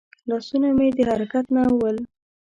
لاسونه مې د حرکت نه ول.